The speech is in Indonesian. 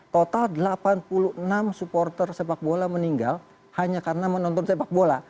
total delapan puluh enam supporter sepak bola meninggal hanya karena menonton sepak bola